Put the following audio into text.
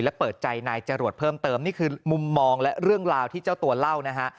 และเปิดใจนายจรวดเพิ่มเติมนี่คือมุมมองและเรื่องราวที่เจ้าตัวเล่านะฮะ